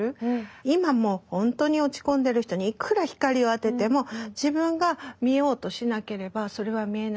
今もう本当に落ち込んでる人にいくら光を当てても自分が見ようとしなければそれは見えない。